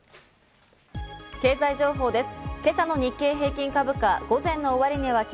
経済情報です。